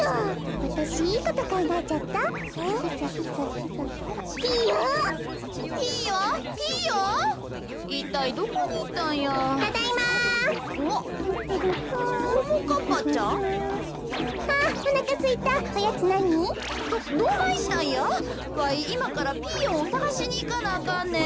わいいまからピーヨンをさがしにいかなあかんねん。